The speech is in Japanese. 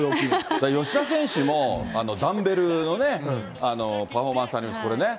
吉田選手もダンベルのね、パフォーマンスあります、これね。